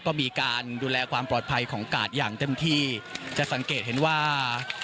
ก็มีการดูแลความปลอดภัยของกาดอย่างเต็มที่จะสังเกตเห็นว่า